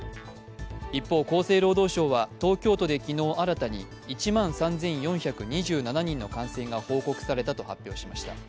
一方、厚生労働省は東京都で昨日新たに１万３４２７人の感染が報告されたと発表しました。